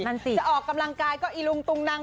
จะออกกำลังกายก็อีหลุงตุ่งนางน์